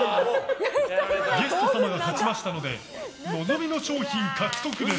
ゲスト様が勝ちましたので望みの賞品獲得です。